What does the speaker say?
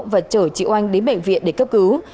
và chở chị oanh đến bệnh viện để cấp cứu